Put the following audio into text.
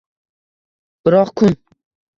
Biroq, Kun